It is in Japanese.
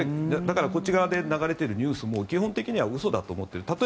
だから、こっち側で流れているニュースも基本的には嘘だと思っている。